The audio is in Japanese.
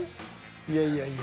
いやいやいや。